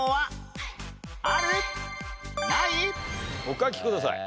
お書きください。